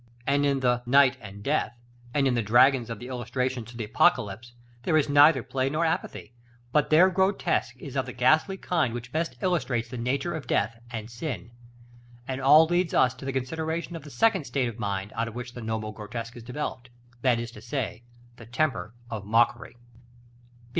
And in the "Knight and Death," and in the dragons of the illustrations to the Apocalypse, there is neither play nor apathy; but their grotesque is of the ghastly kind which best illustrates the nature of death and sin. And this leads us to the consideration of the second state of mind out of which the noble grotesque is developed; that is to say, the temper of mockery.